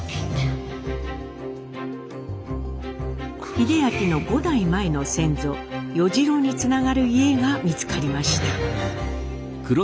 英明の５代前の先祖与次郎につながる家が見つかりました。